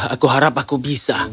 aku harap aku bisa